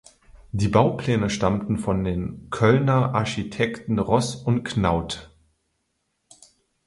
Die Baupläne stammten von den Kölner Architekten Ross und Knauth.